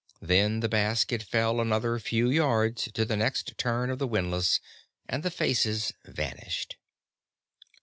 Then the basket fell another few yards to the next turn of the windlass and the faces vanished.